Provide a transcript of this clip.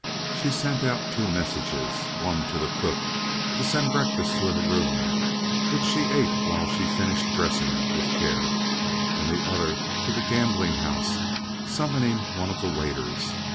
She sent out two messages: one to the cook to send breakfast to her room, which she ate while she finished dressing with care; and the other to the gambling house, summoning one of the waiters.